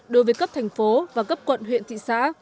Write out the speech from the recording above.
đối với cấp thành phố và cấp quận huyện thị xã